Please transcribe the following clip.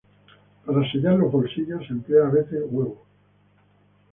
Para sellar los "bolsillos" se emplea a veces huevo.